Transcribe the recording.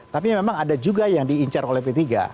tapi memang ada juga yang diincar oleh p tiga